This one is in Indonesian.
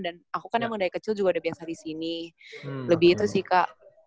dan aku kan emang dari kecil juga udah biasa di sini lebih itu sih kak